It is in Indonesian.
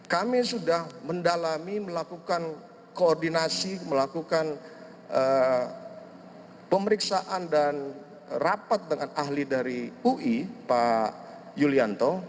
kami sudah mendalami melakukan koordinasi melakukan pemeriksaan dan rapat dengan ahli dari ui pak yulianto